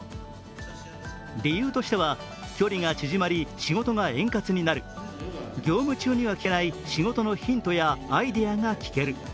理由としては、距離が縮まり仕事が円滑になる業務中には聞けない仕事のヒントやアイディアが聞ける。